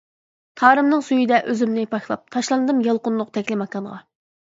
تارىمنىڭ سۈيىدە ئۆزۈمنى پاكلاپ، تاشلاندىم يالقۇنلۇق تەكلىماكانغا.